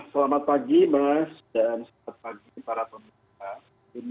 selamat pagi mas dan selamat pagi para pemerintah